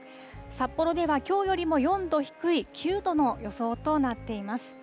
札幌ではきょうよりも４度低い９度の予想となっています。